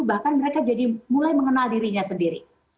bahkan mereka jadi mulai mengenal dirinya sendiri